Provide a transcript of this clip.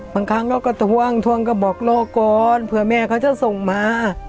บางครั้งเราก็ทวงทวงก็บอกรอก่อนเผื่อแม่เขาจะส่งมา